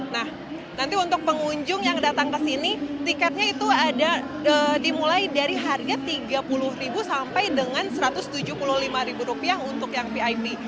nah nanti untuk pengunjung yang datang ke sini tiketnya itu ada dimulai dari harga rp tiga puluh sampai dengan rp satu ratus tujuh puluh lima untuk yang vip